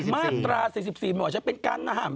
มาตรา๔๔มันเป็นการน่าห่ำ